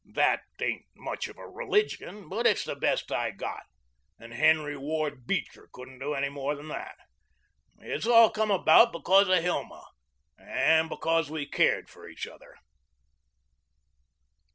That ain't much of a religion, but it's the best I've got, and Henry Ward Beecher couldn't do any more than that. And it's all come about because of Hilma, and because we cared for each other."